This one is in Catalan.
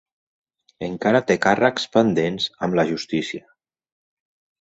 Encara té càrrecs pendents amb la justícia.